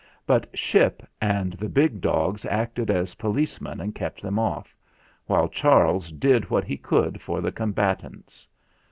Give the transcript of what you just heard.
But Ship and the big dogs acted as policemen and kept them off, THE FIGHT 311 while Charles did what he could for the com batants.